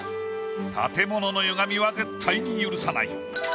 建物の歪みは絶対に許さない。